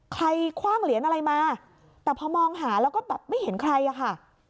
คว่างเหรียญอะไรมาแต่พอมองหาแล้วก็แบบไม่เห็นใครอะค่ะ